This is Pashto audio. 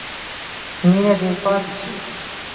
مینه دې پاتې شي.